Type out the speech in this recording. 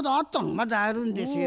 まだあるんですよ。